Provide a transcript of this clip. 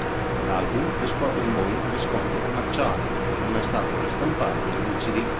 L'album riscuote un buon riscontro commerciale; non è mai stato ristampato in cd.